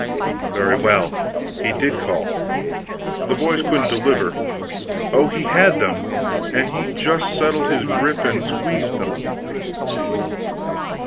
"Very well, he did call. The boys couldn't deliver. Oh, he had them and he just settled his grip and squeezed them.